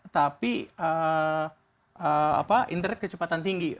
tapi internet kecepatan tinggi